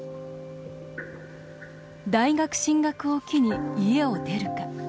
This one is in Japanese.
大学進学を機に家を出るか。